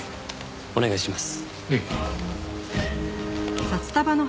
お願いします。